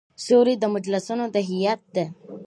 شوري د مجلسـینو د هیئـت د